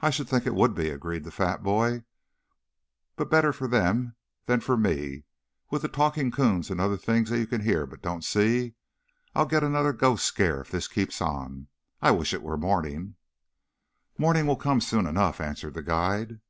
"I should think it would be," agreed the fat boy. "But better for them than for me, with the talking 'coons and other things that you can hear but don't see. I'll get another ghost scare if this keeps on. I wish it were morning." "Morning will come soon enough," answered the guide.